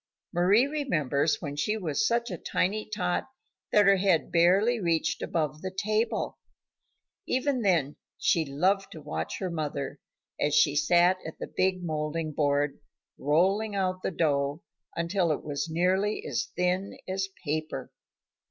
Mari remembers when she was such a tiny tot that her head barely reached above the table. Even then she loved to watch her mother as she sat at the big moulding board, rolling out the dough until it was nearly as thin as paper.